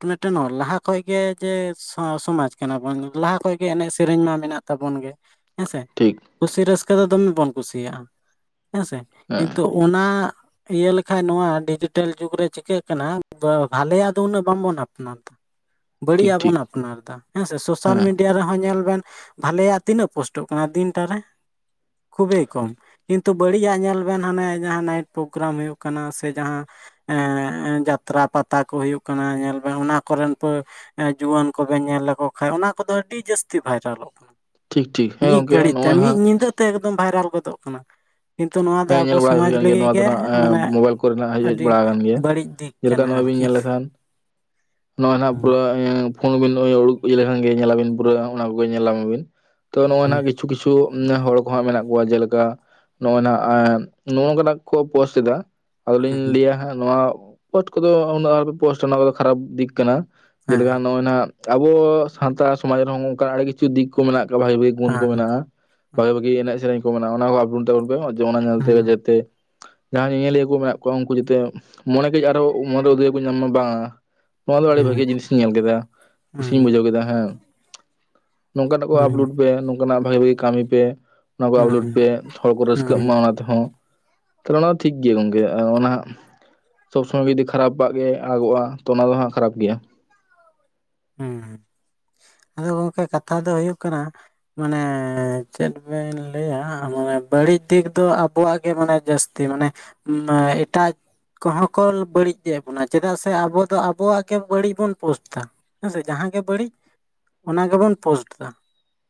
ᱢᱤᱫᱴᱮᱱ ᱚᱞ ᱞᱟᱦᱟ ᱠᱷᱚᱡ ᱜᱮ ᱡᱮ ᱥᱟᱶ ᱥᱚᱢᱟᱡᱽ ᱠᱟᱱᱟᱵᱚᱱ ᱞᱟᱦᱟ ᱠᱷᱚᱡ ᱜᱮ ᱮᱱᱮᱡ ᱥᱮᱨᱮᱧ ᱢᱟ ᱢᱮᱱᱟᱜ ᱛᱟᱵᱚᱱ ᱜᱮ ᱦᱮᱸᱥᱮ ᱾ ᱴᱷᱤᱠ ᱾ ᱠᱩᱥᱤ ᱨᱟᱹᱥᱠᱟᱹ ᱫᱚ ᱫᱚᱢᱮ ᱵᱚᱱ ᱠᱩᱥᱤᱭᱟᱜ-ᱟ (inaudible) ᱦᱮᱸ ᱥᱮ, ᱦᱮᱸ ᱠᱤᱱᱛᱩ ᱚᱱᱟ ᱤᱭᱟᱹ ᱞᱮᱠᱷᱟᱡ ᱱᱚᱣᱟ ᱰᱤᱡᱤᱴᱮᱞ ᱡᱩᱜᱽ ᱨᱮ ᱪᱤᱠᱟᱹᱜ ᱠᱟᱱᱟ ᱵᱚ ᱵᱷᱟᱞᱮᱭᱟᱜ ᱫᱚ ᱩᱱᱟᱹᱜ ᱵᱟᱝᱵᱚᱱ ᱟᱯᱱᱟᱨ ᱮᱫᱟ ᱾ ᱵᱟᱹᱲᱤᱡ ᱴᱷᱤᱠ ᱟᱜ ᱴᱷᱤᱠ ᱵᱚᱱ ᱟᱯᱱᱟᱨ ᱮᱫᱟ ᱦᱮᱸ ᱥᱮ ᱾ ᱥᱳᱥᱟᱞ ᱦᱮᱸ ᱢᱤᱰᱤᱭᱟ ᱨᱮᱦᱚᱸ ᱧᱮᱞ ᱵᱮᱱ ᱵᱷᱟᱞᱮᱭᱟᱜ ᱛᱤᱱᱟᱹᱜ ᱯᱳᱥᱴ ᱚᱜ ᱠᱟᱱᱟ ᱫᱤᱱᱴᱟ ᱨᱮ ᱾ (inaudible) ᱠᱷᱩᱵᱮᱭ ᱠᱚᱢ ᱾ ᱠᱤᱱᱛᱩ ᱵᱟᱹᱲᱤᱡᱟᱜ ᱧᱮᱞ ᱵᱮᱱ ᱦᱟᱱᱮ ᱡᱟᱦᱟᱸ ᱱᱟᱭᱤᱴ ᱯᱨᱳᱜᱨᱟᱢ ᱦᱩᱭᱩᱜ ᱠᱟᱱᱟ ᱥᱮ ᱡᱟᱦᱟᱸ ᱮᱸᱻ ᱮᱸᱻ ᱡᱟᱛᱨᱟ ᱯᱟᱛᱟ ᱠᱚ ᱦᱩᱭᱩᱜ ᱠᱟᱱᱟ ᱧᱮᱞ ᱵᱮᱱ ᱚᱱᱟ ᱠᱚᱨᱮᱱ ᱯᱟᱹ ᱡᱩᱣᱟᱹᱱ ᱠᱚᱵᱮᱱ ᱧᱮᱞ ᱞᱮᱠᱚ ᱠᱷᱟᱡ ᱚᱱᱟ ᱠᱚᱫᱚ ᱟᱹᱰᱤ ᱡᱟᱹᱥᱛᱤ ᱵᱷᱟᱭᱨᱟᱞᱚᱜ ᱠᱟᱱᱟ᱾ ᱴᱷᱤᱠ ᱴᱷᱤᱠ (inaudible) ᱦᱮᱸ ᱢᱤᱫ ᱜᱚᱝᱠᱮ ᱜᱷᱟᱹᱲᱤᱡ ᱛᱮ ᱱᱚᱜᱼᱚᱭ ᱢᱤᱫ ᱱᱟᱦᱟᱜ ᱧᱤᱫᱟᱹ ᱛᱮ ᱮᱠᱫᱚᱢ ᱵᱷᱟᱭᱨᱟᱞ ᱜᱚᱫᱚᱜ ᱠᱟᱱᱟ ᱾ (inaudible) ᱦᱮᱸ ᱧᱮᱞ ᱵᱟᱲᱟ ᱦᱩᱭ ᱠᱟᱱ ᱜᱮᱭᱟ ᱱᱚᱣᱟ ᱫᱚ ᱱᱟᱜ ᱢᱟᱱᱮ ᱢᱳᱵᱟᱭᱤᱞ ᱠᱚᱨᱮ ᱱᱟᱜ ᱦᱮᱡ ᱦᱮᱡ ᱟᱹᱰᱤ ᱵᱟᱲᱟ ᱟᱠᱟᱱ ᱜᱮᱭᱟ ᱾ ᱜᱮᱭᱟ ᱵᱟᱹᱲᱤᱡ ᱫᱤᱠ (inaudible) ᱡᱮᱞᱮᱠᱟ ᱠᱟᱱᱟ ᱱᱚᱜᱚᱭ ᱵᱤᱱ ᱟᱨᱠᱤ ᱧᱮᱞ ᱞᱮᱠᱷᱟᱱ (inaudible) ᱱᱚᱜ-ᱚᱭ ᱱᱟᱜ ᱦᱩᱸ ᱯᱩᱨᱟᱹ ᱮ ᱯᱷᱳᱱ ᱵᱤᱱ ᱱᱚᱜ-ᱚᱭ ᱩᱰᱩᱠ ᱤᱭᱟᱹ ᱞᱮᱠᱷᱟᱱ ᱜᱮ ᱧᱮᱞ ᱟᱵᱤᱱ (unintelligible) ᱠᱚᱜᱮ ᱧᱮᱞᱧᱟᱢ ᱟᱹᱵᱤᱱ ᱾ ᱛᱚ ᱱᱚᱜ-ᱚᱭ ᱦᱩᱸ ᱱᱟᱜ ᱠᱤᱪᱷᱩ ᱠᱤᱪᱷᱩ ᱦᱚᱲ ᱠᱚ ᱦᱟᱸᱜ ᱢᱮᱱᱟᱜ ᱠᱚᱣᱟ ᱡᱮᱞᱮᱠᱟ ᱱᱚᱜ-ᱚᱭ ᱱᱟᱜ ᱮᱜ ᱱᱚᱜ-ᱚ ᱱᱚᱝᱠᱟᱱᱟᱜ ᱠᱚ ᱯᱳᱥᱴ ᱮᱫᱟ ᱾ ᱟᱫᱚᱞᱤᱧ ᱦᱩᱸ ᱞᱟᱹᱭᱟ ᱦᱟᱸᱜ ᱱᱚᱣᱟ ᱯᱳᱥᱴ ᱠᱚᱫᱚ ᱩᱱᱟᱹᱜ ᱟᱞᱚᱜ ᱯᱮ ᱯᱳᱥᱴᱟ ᱱᱚᱣᱟ ᱠᱚᱫᱚ ᱠᱷᱟᱨᱟᱯ ᱫᱤᱠ ᱠᱟᱱᱟ ᱾ ᱡᱮᱞᱮᱠᱟ ᱦᱮᱸ ᱱᱚᱜ-ᱚᱭ ᱱᱟᱜ ᱟᱵᱚ ᱥᱟᱱᱛᱟᱲ ᱥᱚᱢᱟᱡᱽ ᱨᱮᱦᱚᱸ ᱚᱱᱠᱟᱱ ᱟᱹᱲᱤ ᱠᱤᱪᱷᱩ ᱫᱤᱠ ᱠᱚ ᱢᱮᱱᱟᱜ ᱟᱠᱟᱫ (unintelligible) ᱜᱩᱱ ᱠᱚ ᱦᱮᱸ ᱢᱮᱱᱟᱜ-ᱟ, ᱵᱷᱟᱹᱜᱤ ᱦᱩᱸ ᱵᱷᱟᱹᱜᱤ ᱮᱱᱮᱡ ᱥᱮᱨᱮᱧ ᱠᱚ ᱢᱮᱱᱟᱜ-ᱟ, ᱚᱱᱟ ᱠᱚ (unintelligible) (unintelligible) ᱚᱱᱟ ᱧᱮᱞ ᱛᱮᱜ ᱦᱩᱸ ᱡᱟᱛᱮ ᱡᱟᱦᱟᱸᱭ ᱧᱮᱧᱮᱞᱤᱭᱟᱹ ᱠᱚ ᱢᱮᱱᱟᱜ ᱠᱚᱣᱟ ᱩᱝᱠᱩ ᱡᱟᱛᱮ ᱢᱚᱱᱮ ᱠᱟᱹᱡ ᱟᱨᱚ (unintelligible) ᱠᱚ ᱧᱟᱢ ᱢᱟ, ᱵᱟᱝ ᱱᱚᱣᱟ ᱫᱚ ᱟᱹᱰᱤ ᱦᱩᱸ ᱵᱷᱟᱹᱜᱤ ᱡᱤᱱᱤᱥ ᱤᱧ ᱧᱮᱞ ᱠᱮᱫᱟ ᱦᱩᱸ ᱠᱩᱥᱤᱧ ᱵᱩᱡᱷᱟᱹᱣ ᱠᱮᱫᱟ, ᱦᱮᱸ ᱱᱚᱝᱠᱟᱱᱟᱜ ᱠᱚ ᱟᱯᱞᱳᱰ ᱯᱮ ᱱᱚᱝᱠᱟᱱᱟᱜ ᱵᱷᱟᱜᱤ ᱵᱷᱟᱜᱤ ᱠᱟᱹᱢᱤ ᱯᱮ ᱚᱱᱟ ᱠᱚ ᱦᱩᱸ ᱟᱯᱞᱳᱰ ᱦᱩᱸ ᱯᱮ ᱾ ᱠᱚ ᱨᱟᱹᱥᱠᱟᱹᱜ ᱦᱩᱸ ᱢᱟ ᱚᱱᱟ ᱛᱮᱦᱚᱸ ᱛᱟᱞᱦᱮ ᱚᱱᱟ ᱴᱷᱤᱠ ᱜᱮᱭᱟ ᱜᱚᱝᱠᱮ ᱟᱨ ᱚᱱᱟ ᱥᱚᱵᱽ ᱥᱳᱢᱳᱭ ᱜᱮ ᱡᱩᱫᱤ ᱠᱷᱟᱯᱟᱜ ᱜᱮ ᱟᱜᱚᱜᱟ, ᱛᱚ ᱚᱱᱟ ᱫᱚ ᱦᱟᱸᱜ ᱠᱷᱟᱨᱟᱯ ᱜᱮᱭᱟ ᱾ ᱦᱮᱸ ᱦᱮᱸ ᱟᱫᱚ ᱜᱚᱝᱠᱮ ᱠᱟᱛᱷᱟ ᱫᱚ ᱦᱳᱭᱳᱜ ᱠᱟᱱᱟ ᱢᱟᱱᱮ ᱪᱮᱫ ᱵᱮᱱ ᱞᱟᱹᱭᱟ ᱢᱟᱱᱮ ᱵᱟᱹᱲᱤᱡ ᱫᱤᱠ ᱫᱚ ᱟᱵᱚᱣᱟᱜ ᱜᱮ ᱢᱟᱱᱮ ᱡᱟᱹᱥ ᱛᱤ ᱢᱟᱱᱮ ᱩᱸ ᱮᱴᱟᱜ ᱠᱚᱦᱚᱸ ᱠᱚ ᱵᱟᱹᱲᱤᱡ ᱮᱸᱜ ᱵᱚᱱᱟ, ᱪᱮᱫᱟᱜ ᱥᱮ ᱟᱵᱚ ᱫᱚ ᱟᱵᱚᱣᱟᱜ ᱜᱮ ᱵᱟᱹᱲᱤᱡ ᱵᱚᱱ ᱯᱳᱥᱴ ᱫᱟ᱾ ᱦᱮᱸᱥᱮ ᱡᱟᱦᱟᱸ ᱜᱮ ᱵᱟᱹᱲᱤᱡ ᱚᱱᱟ ᱜᱮᱵᱚᱱ ᱯᱳᱥᱴ ᱫᱟ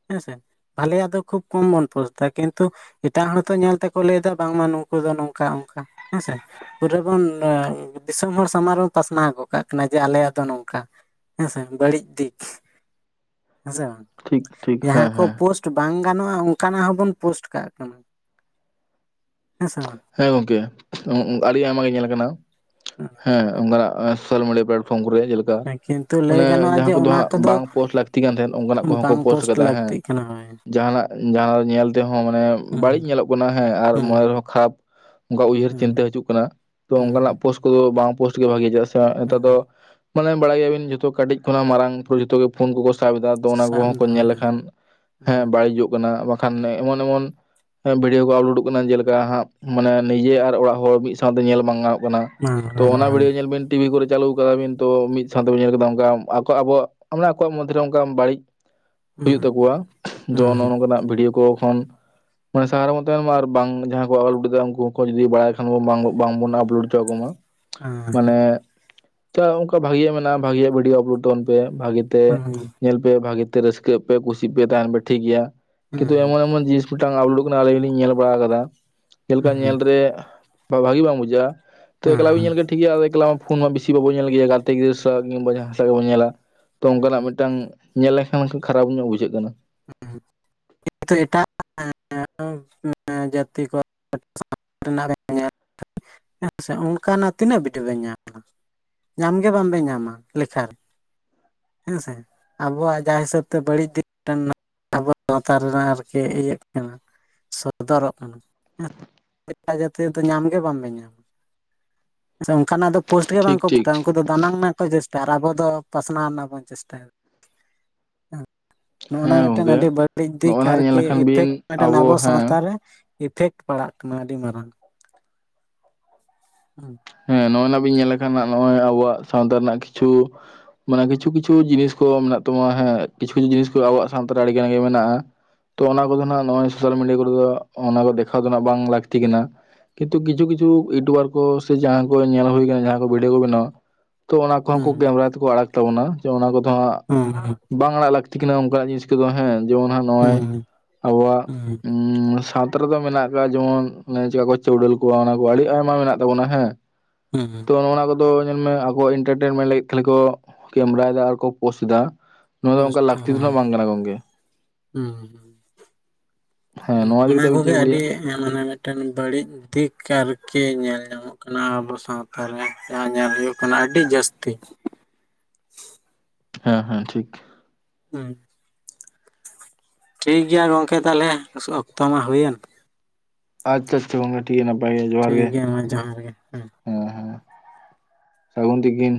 ᱦᱮᱸᱥᱮ᱾ ᱵᱷᱟᱞᱮᱭᱟᱜ ᱫᱚ ᱠᱷᱩᱵ ᱠᱚᱢ ᱵᱚᱱ ᱯᱳᱥᱴ ᱫᱟ ᱠᱤᱱᱛᱩ ᱮᱴᱟᱜ ᱦᱚᱲᱛᱚ ᱧᱮᱞ ᱛᱮᱠᱚ ᱞᱟᱹᱭᱫᱟ ᱵᱟᱝᱢᱟ ᱱᱩᱠᱩ ᱫᱚ ᱱᱚᱝᱠᱟ ᱚᱝᱠᱟ ᱦᱮᱸᱥᱮ᱾ ᱯᱩᱨᱟᱹ ᱵᱚᱱ ᱫᱤᱥᱚᱢ ᱦᱚᱲ ᱥᱟᱢᱟᱝ ᱨᱮ ᱵᱚᱱ ᱯᱟᱥᱱᱟᱣ ᱜᱚᱜ ᱠᱟᱜ ᱠᱟᱱᱟ ᱡᱮ ᱟᱞᱮᱭᱟᱜ ᱫᱚ ᱱᱚᱝᱠᱟ᱾ ᱦᱮᱸᱥᱮ ᱵᱟᱹᱲᱤᱡ ᱫᱤᱠ ᱦᱮᱸᱥᱮ ᱵᱟᱝ ᱴᱷᱤᱠ ᱴᱷᱤᱠ ᱦᱮᱸ ᱡᱟᱦᱟᱸ ᱠᱚ ᱦᱮᱸ ᱯᱳᱥᱴ ᱵᱟᱝ ᱜᱟᱱᱚᱜ-ᱟ ᱚᱝᱠᱟᱱᱟᱜ ᱦᱚᱸᱵᱚᱱ ᱯᱳᱥᱴ ᱠᱟᱜ ᱠᱟᱱᱟ, ᱦᱮᱸᱥᱮ ᱵᱟᱝ? ᱦᱮᱸ ᱜᱚᱝᱠᱮ ᱟᱹᱰᱤ ᱟᱭᱢᱟ ᱜᱮ ᱧᱮᱞ ᱠᱟᱱᱟ ᱦᱮᱸ ᱚᱝᱠᱟᱱᱟᱜ (unintelligible) ᱢᱰᱤᱭᱟ ᱯᱞᱟᱴ ᱯᱷᱚᱨᱢ ᱠᱚᱨᱮ ᱡᱮᱞᱮ ᱠᱟ ᱦᱮᱸ, ᱠᱤᱱᱛᱩ ᱞᱟᱹᱭ ᱢᱟᱱᱮ ᱜᱟᱱᱚᱜᱼᱟ ᱡᱟᱦᱟᱸ ᱡᱮ ᱠᱚᱫᱚ ᱚᱱᱟ ᱦᱟᱸᱜ ᱵᱟᱝ ᱯᱳᱥᱴ ᱞᱟᱹᱠᱛᱤ ᱠᱟᱱ ᱛᱟᱦᱮᱸᱫ ᱚᱝᱠᱟᱱᱟᱜ ᱠᱚᱦᱚᱸ ᱠᱚ ᱵᱟᱝ ᱯᱳᱥᱴ ᱠᱟᱫᱟ ᱦᱮᱸ᱾ ᱞᱟᱹᱠᱛᱤᱜ ᱠᱟᱱᱟ ᱦᱳᱭ ᱡᱟᱦᱟᱱᱟᱜ ᱡᱟᱦᱟᱸ ᱧᱮᱞ ᱛᱮᱦᱚᱸ ᱢᱟᱱᱮ ᱵᱟᱹᱲᱤᱡ ᱦᱩᱸ ᱧᱮᱞᱚᱜ ᱠᱟᱱᱟ, ᱦᱮᱸ ᱟᱨ ᱦᱩᱸ ᱢᱚᱱᱮ ᱨᱮᱦᱚᱸ ᱠᱷᱟᱨᱟᱯ ᱚᱱᱠᱟ ᱩᱭᱦᱟᱹᱨ ᱦᱩᱸ ᱪᱤᱱᱛᱟᱹ ᱦᱤᱡᱩᱜ ᱠᱟᱱᱟ ᱛᱚ ᱚᱱᱠᱟ ᱱᱟᱜ ᱦᱩᱸ ᱯᱳᱥᱴ ᱠᱚᱫᱚ ᱵᱟᱝ ᱯᱳᱥᱴ ᱜᱮ ᱵᱷᱟᱜᱮ ᱪᱮᱫᱟᱜ ᱥᱮ ᱱᱮᱛᱟᱨ ᱫᱚ ᱦᱩᱸ ᱼᱼ ᱢᱟᱱᱮ ᱵᱟᱲᱟᱭ ᱜᱮᱭᱟ ᱵᱤᱱ ᱡᱚᱛᱚ ᱠᱟᱹᱴᱤᱡ ᱠᱷᱱᱟᱜ ᱢᱟᱨᱟᱝ ᱯᱩᱨ ᱡᱚᱛᱚ ᱜᱮ ᱯᱷᱳᱱ ᱠᱚᱠᱚ ᱥᱟᱵ ᱮᱫᱟ ᱟᱫᱚ ᱚᱱᱟ ᱥᱟᱵ ᱠᱚᱦᱚᱸ ᱠᱚ ᱫᱟ ᱧᱮᱞ ᱦᱳᱭ ᱞᱮᱠᱷᱟᱱ, ᱦᱩᱸ ᱦᱮᱸ ᱵᱟᱹᱲᱤᱡᱚᱜ ᱠᱟᱱᱟ ᱵᱟᱝ ᱠᱷᱟᱱ ᱮᱢᱚᱱ ᱮᱢᱚᱱ ᱵᱷᱤᱰᱤᱭᱳ ᱠᱚ ᱟᱯᱞᱳᱰᱚᱜ ᱠᱟᱱᱟ ᱡᱮᱞᱮᱠᱟ ᱦᱟᱸᱜ ᱢᱟᱱᱮ ᱱᱤᱡᱮ ᱟᱨ ᱚᱲᱟᱜ ᱦᱚᱲ ᱢᱤᱫ ᱥᱟᱶᱛᱮ ᱧᱮᱞ ᱵᱟᱝ ᱜᱟᱱᱚᱜ ᱠᱟᱱᱟ, ᱵᱟᱝ ᱛᱚ ᱠᱟᱱᱟ, ᱦᱳᱭ ᱚᱱᱟ ᱵᱷᱤᱰᱤᱭᱳ ᱧᱮᱞ ᱵᱤᱱ ᱴᱤᱵᱷᱤ ᱠᱚᱨᱮ ᱪᱟᱹᱞᱩ ᱠᱟᱫᱟ ᱵᱤᱱ ᱛᱚ ᱢᱤᱫ ᱥᱟᱶᱛᱮ ᱵᱤᱱ ᱧᱮᱞ ᱠᱮᱫᱟ ᱚᱝᱠᱟ ᱟᱠᱚ ᱟᱵᱚ (unintelligible) ᱟᱠᱚᱣᱟᱜ (unintelligible) ᱚᱝᱠᱟᱢ ᱵᱟᱹᱲᱤᱡ ᱦᱩᱭᱩᱜ ᱦᱩᱸ ᱛᱟᱠᱚᱣᱟ ᱫᱚ ᱦᱩᱸ ᱱᱚᱜᱚ ᱦᱮᱸ ᱱᱚᱝᱠᱟᱱᱟᱜ ᱵᱷᱤᱰᱤᱭᱳ ᱠᱚ ᱠᱷᱚᱱ ᱢᱟᱱᱮ ᱥᱟᱦᱟ ᱨᱮᱵᱚᱱ ᱛᱟᱦᱮᱸᱱ ᱢᱟ ᱟᱨ ᱵᱟᱝ ᱡᱟᱦᱟᱸ ᱠᱚ (unintelligible) (unintelligible) ᱩᱝᱠᱩ ᱦᱚᱸᱠᱚ ᱡᱩᱫᱤ ᱵᱟᱲᱟᱭ ᱠᱷᱟᱱ ᱵᱚ ᱵᱟᱝ ᱵᱟᱝ ᱵᱚᱱ ᱟᱯᱞᱳᱰ ᱦᱚᱪᱚ ᱟᱠᱚ ᱢᱟ, ᱦᱩᱸ ᱢᱟᱱᱮ (unintelligible) ᱚᱝᱠᱟ ᱵᱷᱟᱹᱜᱤᱭᱟᱜ ᱢᱮᱱᱟᱜ-ᱟ ᱵᱷᱟᱹᱜᱤᱭᱟᱜ ᱵᱷᱤᱰᱤᱭᱳ ᱟᱯᱞᱳᱰ ᱛᱟᱵᱚᱱ ᱯᱮ ᱵᱷᱟᱜᱮ ᱛᱮ ᱧᱮᱞ ᱯᱮ ᱵᱷᱟᱹᱜᱤ ᱛᱮ ᱨᱟᱹᱥᱠᱟᱹᱭ ᱯᱮ, ᱠᱩᱥᱤᱜ ᱯᱮ, ᱛᱟᱦᱮᱱ ᱯᱮ, ᱴᱷᱤᱠ ᱜᱮᱭᱟ ᱠᱤᱱᱛᱩ ᱮᱢᱚᱱ ᱮᱢᱚᱱ (unintelligible) (unintelligible) ᱟᱯᱞᱳᱰᱳᱜ ᱠᱟᱱᱟ ᱟᱹᱞᱤᱧ ᱦᱚᱞᱤᱧ ᱧᱮᱞ ᱵᱟᱲᱟ ᱠᱟᱫᱟ᱾ ᱡᱮᱞᱮᱠᱟ ᱦᱩᱸ ᱧᱮᱞ ᱨᱮ ᱵᱟ ᱵᱷᱟᱹᱜᱤ ᱵᱟᱝ ᱵᱩᱡᱷᱟᱹᱜᱟ, ᱛᱚ ᱮᱠᱞᱟ ᱜᱮ ᱵᱤᱱ ᱧᱮᱞ ᱦᱩᱸ ᱠᱮᱫᱟ ᱴᱷᱤᱠ ᱜᱮᱭᱟ ᱮᱠᱞᱟ ᱯᱷᱳᱱ ᱢᱟ ᱵᱤᱥᱤ ᱵᱟᱵᱚᱱ ᱧᱮᱞ ᱜᱮᱭᱟ ᱜᱟᱛᱮ ᱜᱤᱫᱟᱹᱨ ᱥᱟᱶ ᱠᱤᱝᱵᱟ ᱡᱟᱦᱟᱸᱭ ᱥᱟᱸᱜ ᱜᱮᱵᱚᱱ ᱧᱮᱞᱟ, ᱛᱚ ᱦᱩᱸ ᱚᱝᱠᱟᱱᱟᱜ ᱢᱤᱫᱴᱟᱝ ᱧᱮᱞ ᱞᱮᱠᱷᱟᱱ (unintelligible) ᱠᱷᱟᱨᱟᱯ ᱧᱚᱜ ᱵᱩᱡᱷᱟᱹᱜ ᱠᱟᱱᱟ᱾ (unintelligible) ᱮᱴᱟᱜ (unintelligible) (unintelligible) ᱦᱮᱸᱥᱮ ᱚᱝᱠᱟᱱᱟᱜ ᱛᱤᱱᱟᱹᱜ ᱵᱷᱤᱰᱳ ᱵᱮᱱ ᱧᱟᱢᱟ? ᱧᱟᱢ ᱜᱮ ᱵᱟᱝ ᱵᱮᱱ ᱧᱟᱢᱟ ᱞᱮᱠᱷᱟ ᱨᱮ᱾ ᱦᱮᱸᱥᱮ ᱟᱵᱚᱣᱟᱜ ᱡᱟᱦᱟᱸ ᱦᱤᱥᱟᱹᱵ ᱛᱮ ᱵᱟᱹᱲᱤᱡ ᱫᱤᱠ (unintelligible) (unintelligible) ᱨᱮᱱᱟᱜ ᱟᱨᱠᱤ ᱤᱭᱟᱹᱜ ᱠᱟᱱᱟ, ᱥᱚᱫᱚᱨᱚᱜ ᱠᱟᱱᱟᱢ᱾ (unintelligible) ᱡᱟᱹᱛᱤ ᱫᱚ ᱧᱟᱢ ᱜᱮ ᱵᱟᱝ ᱵᱮᱱ ᱧᱟᱢᱟ, ᱥᱮ ᱚᱝᱠᱟᱱᱟᱜ ᱫᱚ ᱯᱳᱥᱴ ᱜᱮ ᱵᱟᱝ ᱴᱷᱤᱠ ᱠᱚ ᱴᱷᱤᱠ ᱯᱳᱥᱴ-ᱟ ᱩᱝᱠᱩ ᱫᱚ ᱫᱟᱱᱟᱝ ᱨᱮᱱᱟᱜ ᱠᱚ ᱪᱮᱥᱴᱟᱭ-ᱟ, ᱟᱨ ᱟᱵᱚ ᱫᱚ ᱯᱟᱥᱱᱟᱣ ᱨᱮᱱᱟᱜ ᱵᱚᱱ ᱪᱮᱥᱴᱟᱭ-ᱟ᱾ ᱦᱮᱸ ᱱᱚᱜᱚᱱᱟ ᱢᱮᱫᱴᱮᱱ ᱟᱹᱰᱤ ᱜᱚᱝᱠᱮ ᱵᱟᱹᱲᱤᱡ ᱫᱤᱠ ᱱᱚᱜᱼᱚᱭ ᱱᱟᱜ ᱧᱮᱞ ᱟᱨᱠᱤ ᱞᱮᱠᱷᱟᱱ ᱮᱯᱷᱮᱠᱴ ᱵᱤᱱ ᱢᱤᱫᱴᱟᱱ ᱟᱵᱚ ᱦᱮᱸ ᱥᱟᱶᱛᱟᱨ ᱨᱮ ᱮᱯᱷᱮᱠᱴ ᱯᱟᱲᱟᱜ ᱠᱟᱱᱟ ᱟᱹᱰᱤ ᱢᱟᱨᱟᱝ᱾ ᱦᱩᱸ᱾ ᱦᱮᱸ ᱱᱚᱜᱼᱚᱭ ᱱᱟᱜ ᱵᱤᱱ ᱧᱮᱞ ᱞᱮᱠᱷᱟᱱ ᱱᱚᱜ-ᱚᱭ ᱟᱵᱚᱣᱟᱜ ᱥᱟᱶᱛᱟ ᱨᱮᱱᱟᱜ ᱠᱤᱪᱷᱩ ᱢᱟᱱᱮ ᱠᱤᱪᱷᱩ ᱠᱤᱪᱷᱩ ᱡᱤᱱᱤᱥ ᱠᱚ ᱢᱮᱱᱟᱜ ᱛᱟᱵᱚᱱᱟ ᱦᱮᱸ ᱠᱤᱪᱷᱩ ᱠᱤᱪᱷᱩ ᱡᱤᱱᱤᱥ ᱠᱚ ᱟᱵᱚᱣᱟᱜ ᱥᱟᱶᱛᱟ ᱨᱮ ᱟᱹᱰᱤ ᱜᱟᱱ ᱜᱮ ᱢᱮᱱᱟᱜᱼᱟ᱾ ᱛᱚ ᱚᱱᱟ ᱠᱚᱫᱚ ᱱᱟᱦᱟᱜ ᱱᱚᱜᱼᱚᱭ ᱥᱳᱥᱟᱞ ᱢᱤᱰᱤᱭᱟ ᱠᱚᱨᱮ ᱫᱚ ᱚᱱᱟ ᱠᱚ ᱫᱮᱠᱷᱟᱣ ᱫᱚ ᱱᱟᱜ ᱵᱟᱝ ᱞᱟᱹᱠᱛᱤ ᱠᱟᱱᱟ᱾ ᱠᱤᱱᱛᱩ ᱠᱤᱪᱷᱩ ᱠᱤᱪᱷᱩ ᱤᱭᱩᱴᱩᱵᱟᱨ ᱠᱚ ᱥᱮ ᱡᱟᱦᱟᱸ ᱠᱚ ᱧᱮᱞ ᱦᱩᱭ ᱠᱟᱱᱟ ᱡᱟᱦᱟᱸ ᱠᱚ ᱵᱷᱤᱰᱤᱭᱳ ᱠᱚ ᱵᱮᱱᱟᱣᱟ ᱛᱚ ᱚᱱᱟ ᱠᱚᱦᱚᱸ ᱠᱚ ᱦᱩᱸ ᱠᱮᱢᱨᱟ ᱛᱮᱠᱚ ᱟᱲᱟᱜ ᱛᱟᱵᱚᱱᱟ, ᱡᱮ ᱚᱱᱟ ᱠᱚᱫᱚ ᱦᱟᱸᱜ ᱦᱩᱸ ᱦᱩᱸ᱾ ᱵᱟᱝ ᱟᱲᱟᱜ ᱞᱟᱹᱠᱛᱤ ᱠᱟᱱᱟ ᱚᱱᱠᱟᱱᱟᱜ ᱡᱤᱱᱤᱥ ᱠᱚᱫᱚ ᱦᱮᱸ ᱡᱮᱢᱚᱱᱼᱼ ᱦᱩᱸ ᱦᱩᱸ ᱩᱸ ᱥᱟᱶᱛᱟ ᱨᱮᱫᱚ ᱢᱮᱱᱟᱜ ᱟᱠᱟᱫ ᱡᱮᱢᱚᱱ ᱪᱮᱠᱟ ᱠᱚ ᱪᱟᱹᱣᱰᱟᱹᱞ ᱠᱚᱣᱟ ᱚᱱᱟ ᱠᱚ ᱟᱹᱰᱤ ᱟᱭᱢᱟ ᱢᱮᱱᱟᱜ ᱛᱟᱵᱚᱱᱟ᱾ ᱦᱮᱸ᱾ ᱦᱩᱸ ᱦᱩᱸ᱾ ᱛᱚ ᱚᱱᱟ ᱠᱚᱫᱚ ᱧᱮᱞᱢᱮ, ᱟᱠᱚ ᱮᱱᱴᱟᱨᱴᱮᱱᱢᱮᱱᱴ ᱞᱟᱹᱜᱤᱫ ᱠᱷᱟᱹᱞᱤ ᱠᱚ ᱠᱮᱢᱮᱨᱟᱭᱮ ᱫᱟ ᱟᱨ ᱠᱚ ᱯᱳᱥᱴ ᱫᱟ᱾ ᱱᱚᱣᱟ ᱫᱚ ᱯᱳᱥᱴ ᱚᱱᱠᱟ ᱞᱟᱹᱠᱛᱤ ᱫᱚ ᱱᱟᱦᱟᱜᱽ ᱦᱮᱸ ᱵᱟᱝ ᱠᱟᱱᱟ ᱜᱚᱝᱠᱮ᱾ ᱦᱩᱸ ᱦᱩᱸ᱾ ᱦᱮᱸ ᱱᱚᱣᱟ ᱤᱫᱤ ᱚᱱᱟ ᱠᱟᱛᱮᱫ ᱟᱵᱤᱱ ᱪᱮᱫ ᱠᱚᱜᱮ ᱵᱤᱱ ᱟᱹᱰᱤ ᱞᱟᱹᱭᱟ? ᱢᱟᱱᱮ, ᱢᱤᱫᱴᱮᱱ ᱵᱟᱹᱲᱤᱡ ᱫᱤᱠᱟᱨᱠᱤ ᱧᱮᱞ ᱧᱟᱢᱚᱜ ᱠᱟᱱᱟ ᱟᱵᱚ ᱥᱟᱶᱛᱟ ᱨᱮ ᱡᱟᱦᱟᱸ ᱧᱮᱞ ᱦᱩᱭᱩᱜ ᱠᱟᱱᱟ ᱟᱹᱰᱤ ᱡᱟᱹᱥᱛᱤ᱾ ᱦᱮᱸ ᱦᱮᱸ ᱴᱷᱤᱠ᱾ ᱦᱮᱸ᱾ ᱴᱷᱤᱠ ᱜᱮᱭᱟ ᱜᱚᱝᱠᱮ ᱛᱟᱦᱞᱮ ᱚᱠᱛᱚ ᱢᱟ ᱦᱩᱭᱮᱱ᱾ ᱟᱪᱪᱷᱟ ᱟᱪᱪᱷᱟ ᱜᱚᱝᱠᱮ ᱴᱷᱤᱠ ᱜᱮᱭᱟ ᱱᱟᱯᱟᱭ ᱜᱮ ᱡᱚᱦᱟᱸᱨ ᱴᱷᱤᱠ ᱜᱮ᱾ ᱜᱮᱭᱟ ᱢᱟ ᱡᱚᱦᱟᱨ ᱜᱮ ᱦᱮᱸ ᱦᱮᱸ ᱥᱟᱹᱜᱩᱱ ᱛᱤᱠᱤᱱ᱾